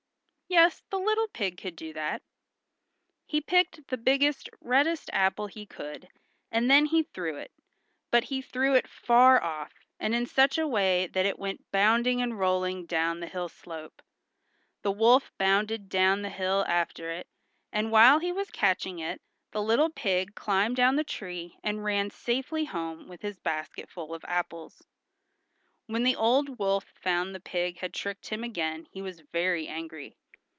Yes, the little pig could do that. He picked the biggest, reddest apple he could, and then he threw it, but he threw it far off, and in such a way that it went bounding and rolling down the hill slope. The wolf bounded down the hill after it, and while he was catching it, the little pig climbed down the tree and ran safely home with his basketful of apples. When the old wolf found the pig had tricked him again he was very angry.